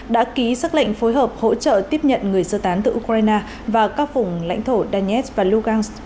đã ký xác lệnh phối hợp hỗ trợ tiếp nhận người sơ tán từ ukraine và các vùng lãnh thổ danetsk và lugansk